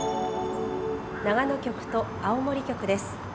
長野局と青森局です。